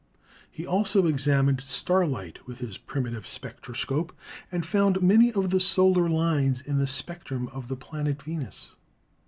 He also examined starlight with his primitive spectro scope and found many of the solar lines in the spectrum of the planet Venus.